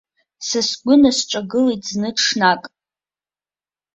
Са сгәы насҿагылеит зны ҽнак.